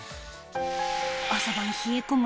朝晩冷え込む